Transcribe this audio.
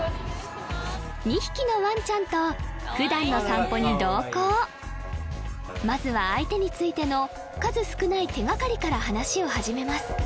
２匹のワンちゃんと普段の散歩に同行まずは相手についての数少ない手がかりから話を始めます